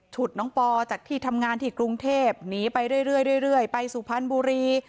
ฉุดน้องปอจากที่ทำงานที่กรุงเทพหนีไปเรื่อยไปสุพรรณบุรี